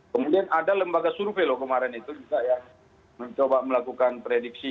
kemudian ada lembaga survei loh kemarin itu juga yang mencoba melakukan prediksi